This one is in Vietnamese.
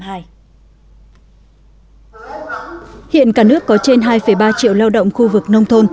hiện cả nước có trên hai ba triệu lao động khu vực nông thôn